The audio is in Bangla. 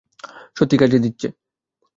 সত্যিই কাজে দিচ্ছে।